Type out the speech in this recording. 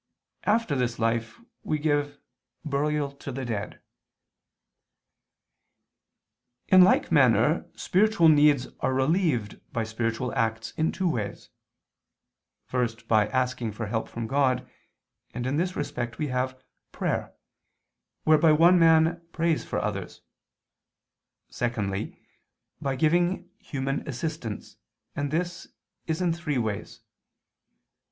_ After this life we give burial to the dead. In like manner spiritual needs are relieved by spiritual acts in two ways, first by asking for help from God, and in this respect we have prayer, whereby one man prays for others; secondly, by giving human assistance, and this in three ways.